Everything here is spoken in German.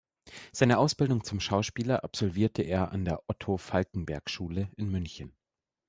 Seine Ausbildung zum Schauspieler absolvierte er an der Otto-Falckenberg-Schule in München.